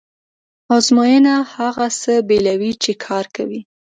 ازموینه هغه څه بېلوي چې کار کوي.